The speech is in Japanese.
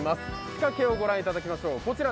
仕掛けを御覧いただきましょう。